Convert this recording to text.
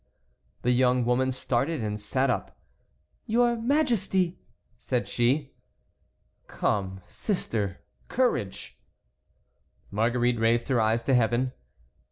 The young woman started and sat up. "Your Majesty!" said she. "Come, sister, courage." Marguerite raised her eyes to Heaven.